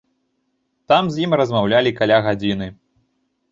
Там з ім размаўлялі каля гадзіны.